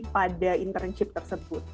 pada internship tersebut